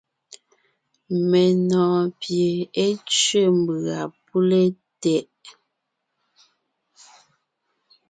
Menɔ̀ɔn pie é tsẅé mbʉ̀a pʉ́le tɛʼ.